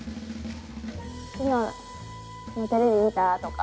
「昨日テレビ見た？」とか。